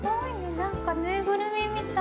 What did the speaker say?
なんか縫いぐるみみたい。